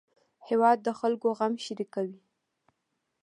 هېواد د خلکو غم شریکوي